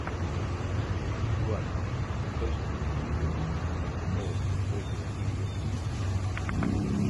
igual, estoy susceptible o estoy sensible y...